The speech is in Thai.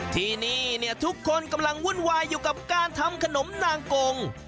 ที่นี่เนี่ยทุกคนกำลังวุ่นวายอยู่กับการทำขนมนางกง